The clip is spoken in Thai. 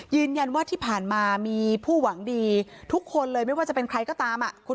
ยืนยันว่าที่ผ่านมามีผู้หวังดีทุกคนเลยไม่ว่าจะเป็นใครก็ตาม